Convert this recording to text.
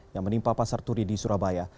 yang menimpa pasar turi di surabaya